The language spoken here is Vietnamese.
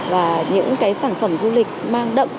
và những sản phẩm du lịch mang đậm